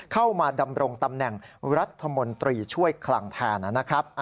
เข้ามาดำรงตำแหน่งรัฐมนตรีช่วยคลังแทนนะครับ